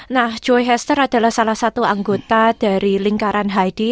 nah joy hester adalah salah satu anggota dari lingkaran heidi